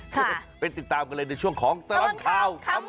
ไปติดตามกันเลยในช่วงของตลอดข่าวคำ